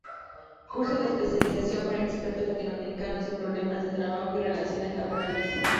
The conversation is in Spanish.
Curso de especialización para expertos Latinoamericanos en problemas del Trabajo y Relaciones Laborales.